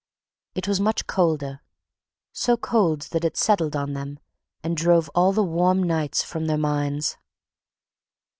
It was much colder—so cold that it settled on them and drove all the warm nights from their minds.